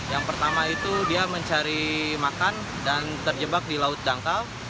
yang pertama itu dia mencari makan dan terjebak di laut dangkal